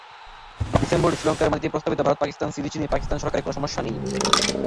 ডিসেম্বরে শ্রীলঙ্কার মাটিতে প্রস্তাবিত ভারত-পাকিস্তান সিরিজ নিয়ে পাকিস্তান সরকারের কোনো সমস্যা নেই।